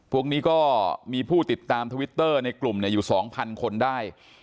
พวกนี้ก็มีผู้ติดตามทวิตเตอร์ในกลุ่มอยู่๒๐๐คนได้